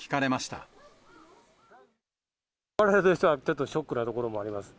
われわれとしては、ちょっとショックなところもあります。